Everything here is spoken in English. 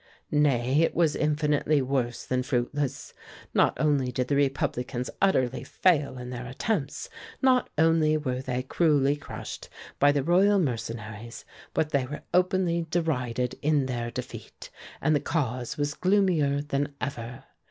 Nay, it was infinitely worse than fruitless. Not only did the Republicans utterly fail in their attempts, not only were they cruelly crushed by the Royal mercenaries, but they were openly derided in their defeat, and the cause was gloomier than ever.